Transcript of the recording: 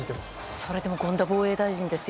それでも権田防衛大臣ですよ。